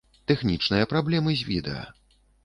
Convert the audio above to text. Тэхнічныя праблемы з відэа.